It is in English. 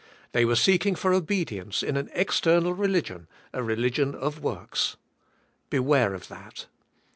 They were seeking for obedience in an external re lig ion, a religion of works. Beware of that.